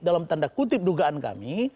dalam tanda kutip dugaan kami